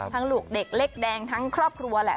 ลูกเด็กเล็กแดงทั้งครอบครัวแหละ